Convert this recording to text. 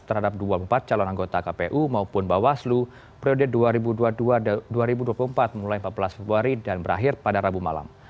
terhadap dua puluh empat calon anggota kpu maupun bawaslu periode dua ribu dua puluh dua dua ribu dua puluh empat mulai empat belas februari dan berakhir pada rabu malam